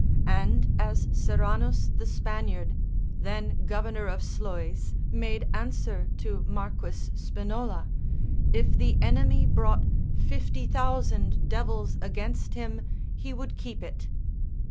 And as Serranus the Spaniard, then Governor of Sluys, made answer to Marquess Spinola, if the enemy brought 50,000 devils against him he would keep it.